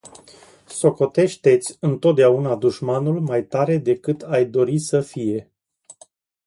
Socotește-ți întotdeauna dușmanul mai tare decât ai dori să fie.